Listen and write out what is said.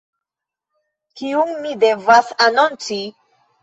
Kiun mi devas anonci?